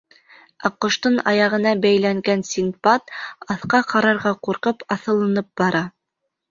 Ә ҡоштоң аяғына бәйләнгән Синдбад, аҫҡа ҡарарға ҡурҡып, аҫылынып бара.